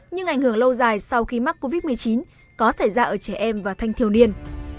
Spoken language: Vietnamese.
nhưng ảnh hưởng lâu dài sau khi mắc covid một mươi chín có xảy ra ở trẻ em và thanh thiếu niên